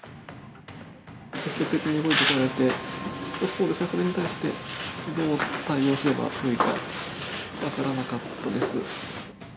積極的に動いてこられて、それに対して、どう対応すればよいか、分からなかったです。